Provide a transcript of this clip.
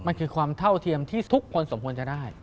มันคือความเท่าเทียมที่ทุกคนสมควรจะได้